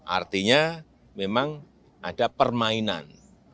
artinya memang ada permainan